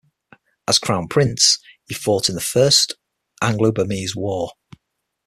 As crown prince, he fought in the First Anglo-Burmese War.